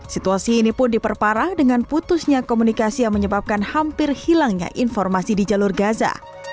situasi ini pun diperparah dengan putusnya komunikasi yang menyebabkan hampir hilangnya informasi di jalur gaza